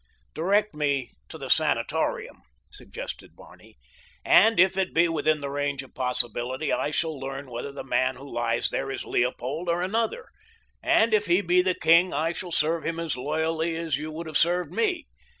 "Direct me to the sanatorium," suggested Barney, "and if it be within the range of possibility I shall learn whether the man who lies there is Leopold or another, and if he be the king I shall serve him as loyally as you would have served me.